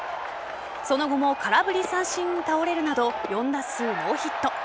その後も空振り三振に倒れるなど４打数ノーヒット。